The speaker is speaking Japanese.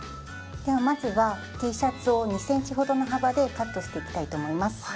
まずはＴシャツを２ｃｍほどの幅でカットしていきたいと思います。